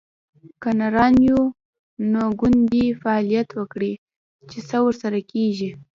که نران یو، یو ګوند دې فعالیت وکړي؟ چې څه ورسره کیږي